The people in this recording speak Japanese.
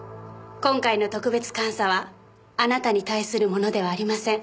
今回の特別監査はあなたに対するものではありません。